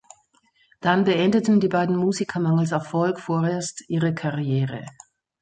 Dann beendeten die beiden Musiker mangels Erfolg vorerst ihre Karriere.